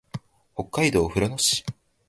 北海道富良野市